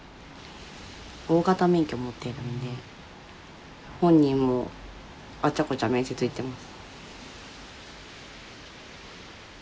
大型免許持ってるんで本人もあっちゃこっちゃ面接行ってます。